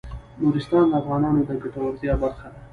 نورستان د افغانانو د ګټورتیا برخه ده.